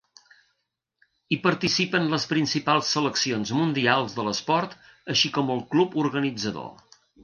Hi participen les principals seleccions mundials de l'esport així com el club organitzador.